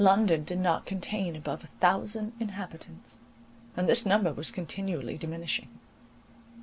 London did not contain above a thousand inhabitants; and this number was continually diminishing.